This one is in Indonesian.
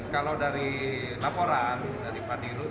kalau dari laporan dari pak dirut